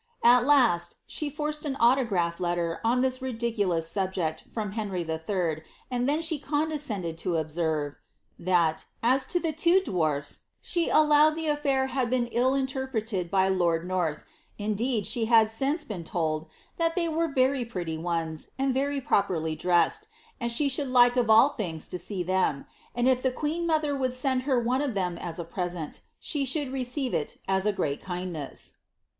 At last, she forced mn autograph letter on this ridiculous subject from Henry HI., aad then she condescended to observe, ^^ that, as to the two dwarfs, she aDowed the affiiir had been ill interpreted by lord North — indeed, she kid since been told, that they were very pretty ones, and very properly dressed, and she should like of all things to see them ; and if the queen Bother would send her one of them as a present,' she should receive it ii a great kindness."